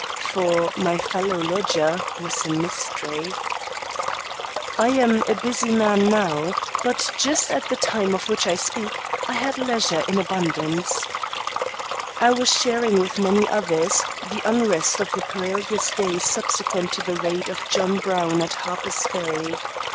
For my fellow lodger was a mystery. I am a busy man now, but just at the time of which I speak, I had leisure in abundance. I was sharing with many others the unrest of the perilous days subsequent to the raid of John Brown at Harper's Ferry.